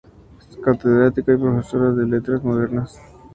Catedrática y profesora de letras modernas.